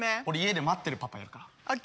俺家で待ってるパパやるから。